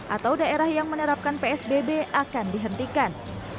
atau daerah yang menerapkan psbb akan dihentikan